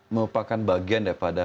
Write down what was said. merupakan bagian dari